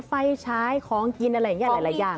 ไฟฉายของกินอะไรอย่างนี้หลายอย่าง